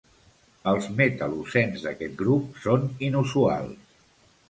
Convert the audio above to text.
Els metal·locens d'aquest grup són inusuals.